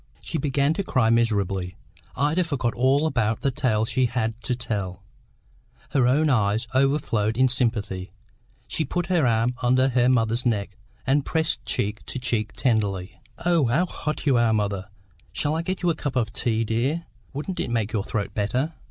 She began to cry miserably. Ida forgot all about the tale she had to tell; her own eyes overflowed in sympathy. She put her arm under her mother's neck, and pressed cheek to cheek tenderly. "Oh, how hot you are, mother! Shall I get you a cup of tea, dear? Wouldn't it make your throat better?"